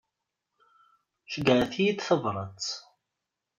Ceyyɛet-iyi-d tabrat.